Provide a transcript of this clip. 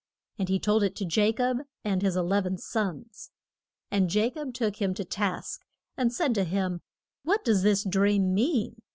And he told it to Ja cob, and his e lev en sons. And Ja cob took him to task, and said to him, What does this dream mean?